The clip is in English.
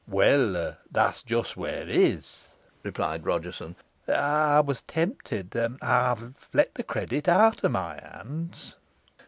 'Well, that's just where is,' replied Rodgerson. 'I was tempted; I've let the credit out of MY hands.